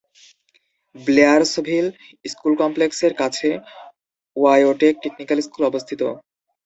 Blairsville school কমপ্লেক্সের কাছে ওয়াইওটেক টেকনিক্যাল স্কুল অবস্থিত।